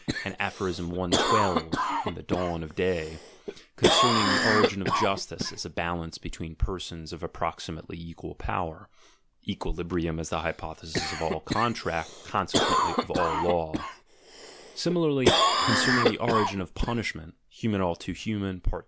and Aph. 112, the Dawn oj Day, concerning the origin of Justice as a balance between per sons of approximately equal power (equilibrium as the hypothesis of all contract, consequently of all law) ; simi larly, concerning the origin of Punishment, Human, all too Human, part ii.